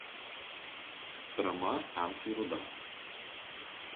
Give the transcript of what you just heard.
Trama tamsiai ruda.